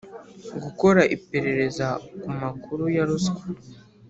gukora iperereza ku makuru ya ruswa